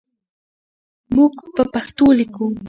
موږ په پښتو لیکو.